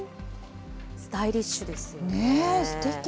スタイリッシュですよね。